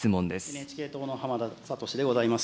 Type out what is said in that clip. ＮＨＫ党の浜田聡でございます。